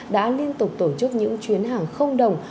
đã liên tục tổ chức những chuyến hàng không đồng